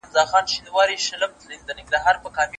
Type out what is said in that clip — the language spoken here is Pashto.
استاد د څيړني موضوع ولي تاییدوي؟